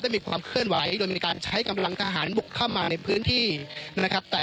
มีความเคลื่อนไหวโดยมีการใช้กำลังทหารบุกเข้ามาในพื้นที่นะครับ